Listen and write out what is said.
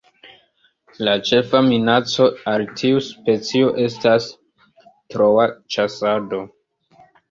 La ĉefa minaco al tiu specio estas troa ĉasado.